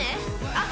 あっ